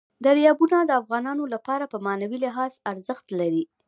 دریابونه د افغانانو لپاره په معنوي لحاظ ارزښت لري.